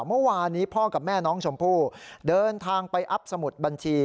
เมื่อวานนี้พ่อกับแม่น้องชมพู่เดินทางไปอัพสมุดบัญชี